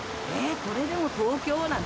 これでも東京？なんて。